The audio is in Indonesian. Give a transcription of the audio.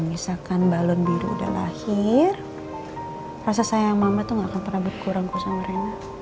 misalkan balon biru udah lahir rasa sayang mama tuh nggak pernah berkurang sama rena